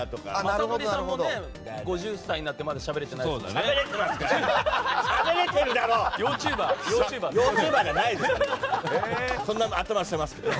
雅紀さんも５０歳になってまだしゃべれてないですからね。